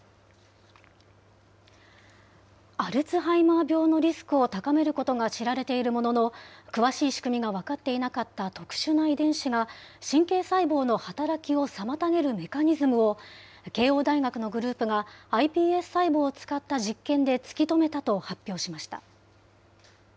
アルツハイマー病のリスクを高めることが知られているものの、詳しい仕組みが分かっていなかった特殊な遺伝子が、神経細胞の働きを妨げるメカニズムを、慶応大学のグループがｉＰＳ細胞を使った実験で突き止めたと発表